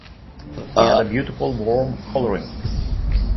She had a beautiful warm colouring.